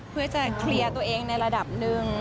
เพื่อจะเคลียร์ตัวเองในระดับหนึ่ง